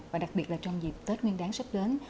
và đặc biệt là trong dịp tết nguyên đáng sắp đến